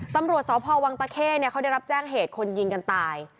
ตำรวจสพวังตะเข้เขาได้รับแจ้งเหตุคนยิงกันตาย